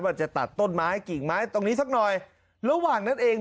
ว่าจะตัดต้นไม้กิ่งไม้ตรงนี้สักหน่อยระหว่างนั้นเอง